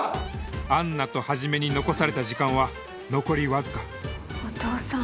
アンナと始に残された時間は残りわずかお父さん。